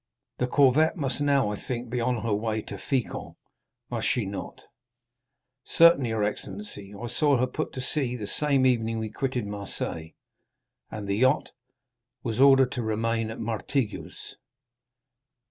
The corvette must now, I think, be on her way to Fécamp, must she not?" 20333m "Certainly, your excellency; I saw her put to sea the same evening we quitted Marseilles." "And the yacht." "Was ordered to remain at Martigues."